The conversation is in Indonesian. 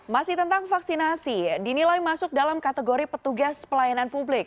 masih tentang vaksinasi dinilai masuk dalam kategori petugas pelayanan publik